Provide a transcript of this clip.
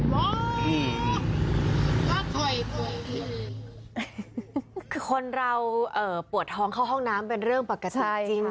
คือคนเราปวดท้องเข้าห้องน้ำเป็นเรื่องปกติจริง